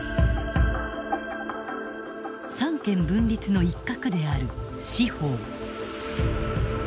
三権分立の一角である司法。